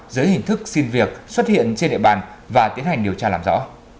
dưới hình thức xin việc xuất hiện trên địa bàn và tiến hành điều tra làm rõ